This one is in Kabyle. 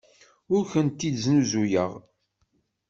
Ur ken-id-snuzuyeɣ.